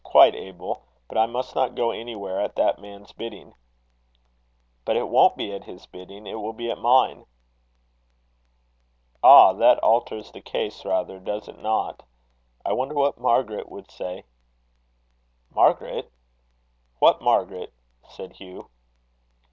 quite able. But I must not go anywhere at that man's bidding." "But it won't be at his bidding: it will be at mine." "Ah! that alters the case rather, does it not? I wonder what Margaret would say." "Margaret! What Margaret?" said Hugh.